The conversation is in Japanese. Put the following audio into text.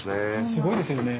すごいですよね。